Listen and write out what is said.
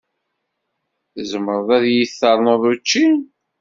Tzemreḍ ad iyi-d-ternuḍ učči?